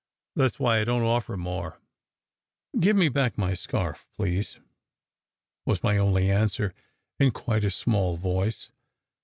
That s why I don t offer more." SECRET HISTORY 13 "Give me back my scarf, please," was my only answer, in quite a small voice.